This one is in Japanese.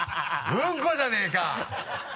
「うんこ」じゃねぇか！